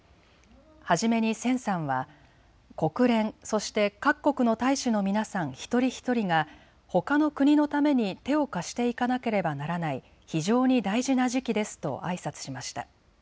初めに千さんは国連、そして各国の大使の皆さん、一人ひとりがほかの国のために手を貸していかなければならない非常に大事な時期ですとあいさつしました。